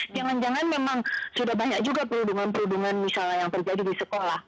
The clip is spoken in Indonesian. jangan jangan memang sudah banyak juga perhubungan perhubungan misalnya yang terjadi di sekolah